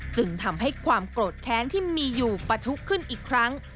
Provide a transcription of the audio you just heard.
จึงทำให้ความโกรธแค้นที่มีอยู่ปะทุขึ้นอีกครั้ง